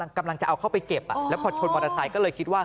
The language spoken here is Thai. กำลังจะเอาเข้าไปเก็บแล้วพอชนมอเตอร์ไซค์ก็เลยคิดว่า